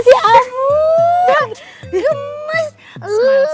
bisa gak ada tiro disini ya mbak